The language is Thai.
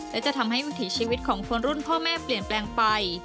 และจะทำให้วิถีชีวิตของคนรุ่นพ่อแม่เปลี่ยนแปลงไป